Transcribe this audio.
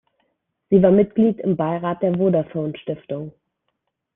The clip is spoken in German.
Sie war Mitglied im Beirat der Vodafone Stiftung.